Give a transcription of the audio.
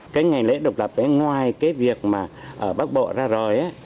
cái ngày lễ độc lập ngoài cái việc mà bóc bộ ra rồi